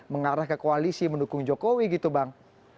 mengarah ke koalisi mendukung jokowi gitu bang